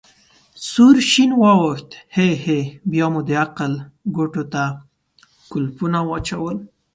سور شین واوښت: هی هی، بیا مو د عقل کوټو ته کولپونه واچول.